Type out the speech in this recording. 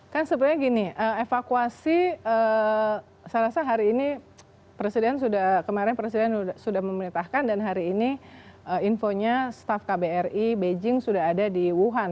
kan sebenarnya gini evakuasi saya rasa hari ini kemarin presiden sudah memerintahkan dan hari ini infonya staff kbri beijing sudah ada di wuhan